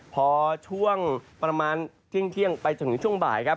พอช่วงประมาณเที่ยงไปจนถึงช่วงบ่ายครับ